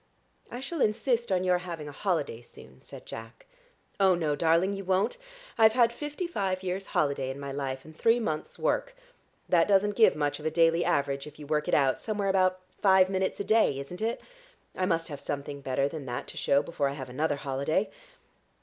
"I shall insist on your having a holiday soon," said Jack. "Oh no, darling, you won't. I've had fifty five years' holiday in my life and three months' work. That doesn't give much of a daily average, if you work it out; somewhere about five minutes a day, isn't it? I must have something better than that to shew before I have another holiday....